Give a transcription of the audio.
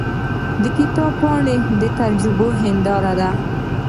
د کتاب پاڼې د تجربو هنداره ده.